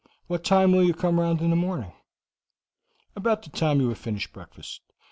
What time will you come round in the morning?" "About the time you have finished breakfast.